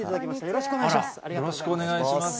よろしくお願いします。